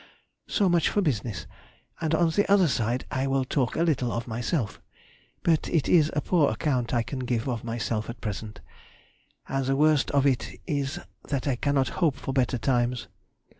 So much for business, and on the other side I will talk a little of myself. But it is a poor account I can give of myself at present, and the worst of it is that I cannot hope for better times.